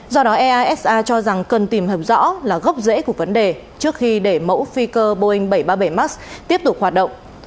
do đó easa cho rằng cần tìm hiểu rõ là gốc rễ của vấn đề trước khi để mẫu phi cơ boeing bảy trăm ba mươi bảy max tiếp tục hoạt động